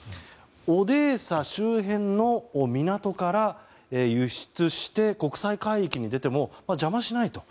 オデーサ周辺の港から輸出して国際海域に出ても邪魔しないと。